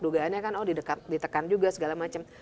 dugaannya kan oh ditekan juga segala macam